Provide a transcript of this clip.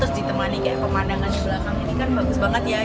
terus ditemani kayak pemandangan di belakang ini kan bagus banget ya